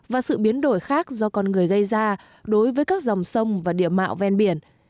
và sự biến đổi khác do con người gây ra đối với các dòng sông và địa mạo ven biển